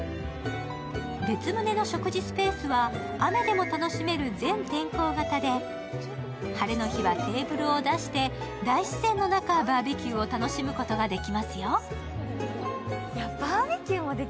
別棟の食事スペースは、雨でも楽しめる全天候型で、晴れの日はテーブルを出して大自然の中、バーベキューを楽しむことができますよ。